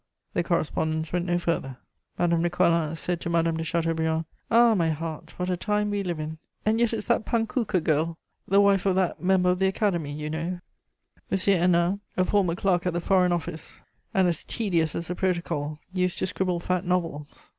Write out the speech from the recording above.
The correspondence went no further. Madame de Coislin said to Madame de Chateaubriand: "Ah, my heart, what a time we live in! And yet it's that Panckoucke girl, the wife of that member of the Academy, you know." M. Hennin, a former clerk at the Foreign Office, and as tedious as a protocol, used to scribble fat novels.